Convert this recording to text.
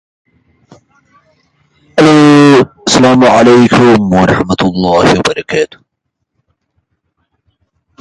She was educated at the Dominican College, Belfast and the University of Ulster.